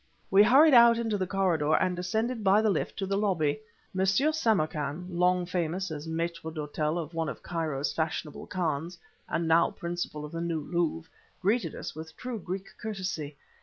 We hurried out into the corridor, and descended by the lift to the lobby. M. Samarkan, long famous as mâitre d'hôtel of one of Cairo's fashionable khans, and now principal of the New Louvre, greeted us with true Greek courtesy.